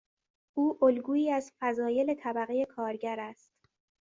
او الگویی از فضایل طبقه کارگر است.